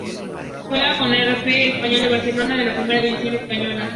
Juega en el R. C. D. Español de Barcelona de la Primera división Española.